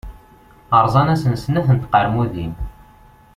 Rẓan-asen snat n tqermudin.